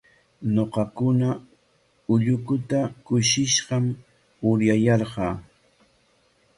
Ñuqakuna ullukuta kushishqam uryayarqaa.